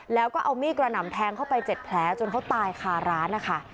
แล้วก็เอามีดกระหน่ำแทงเข้าไป๗แผลจนเขาตายคาร้านนะคะ